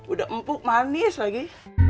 udah empuk manis lagi